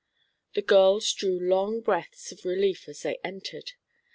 The girls drew long breaths of relief as they entered.